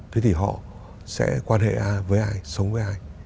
thế thì họ sẽ quan hệ ai với ai sống với ai